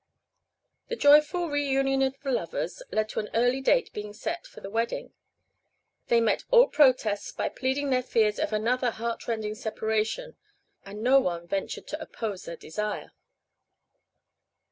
The joyful reunion of the lovers led to an early date being set for the wedding. They met all protests by pleading their fears of another heartrending separation, and no one ventured to oppose their desire.